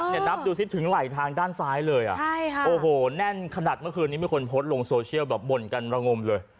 นับดูซิถึงไหลทางด้านซ้ายเลยอ่ะใช่ค่ะโอ้โหแน่นขนาดเมื่อคืนนี้มีคนโพสต์ลงโซเชียลแบบบ่นกันระงมเลย